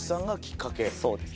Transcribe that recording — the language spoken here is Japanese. そうです。